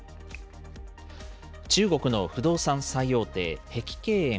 中国の不動産最大手、碧桂園。